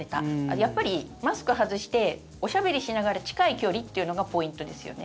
やっぱり、マスク外しておしゃべりしながら近い距離というのがポイントですよね。